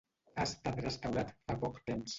Ha estat restaurat fa poc temps.